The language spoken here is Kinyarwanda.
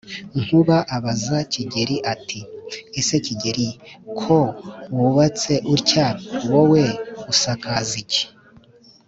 nkuba abaza gikeli ati:"ese gikeli, ko wubatse utya, wowe usakaza iki,